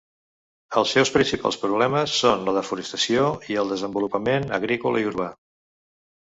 Els seus principals problemes són la desforestació i el desenvolupament agrícola i urbà.